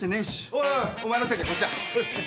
おいおいお前の席はこっちだ。